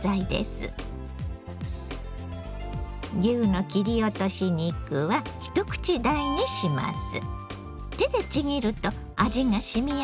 牛の切り落とし肉は一口大にします。